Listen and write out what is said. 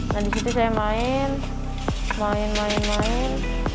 nah di situ saya main main main main